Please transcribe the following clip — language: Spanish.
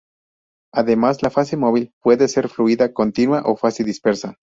Además, la fase móvil puede ser fluida continua o fase dispersa.